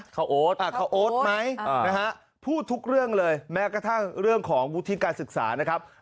เขาโอ๊ตเขาโอ๊ตไหมนะฮะพูดทุกเรื่องเลยแม้กระทั่งเรื่องของวุฒิการศึกษานะครับ